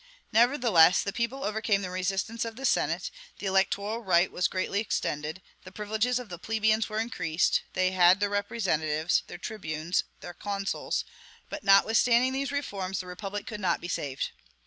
Nevertheless, the people overcame the resistance of the Senate; the electoral right was greatly extended; the privileges of the plebeians were increased, they had their representatives, their tribunes, and their consuls; but, notwithstanding these reforms, the republic could not be saved.